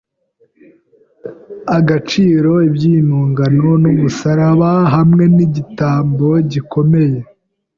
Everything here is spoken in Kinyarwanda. agaciro iby’impongano y’umusaraba hamwe n’igitambo gikomeye